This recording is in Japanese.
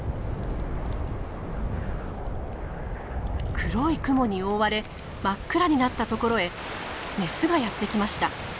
黒い雲に覆われ真っ暗になったところへメスがやって来ました。